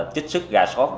chích xuất gà sót